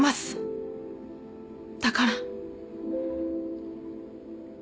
だから。